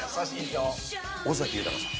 尾崎豊さん。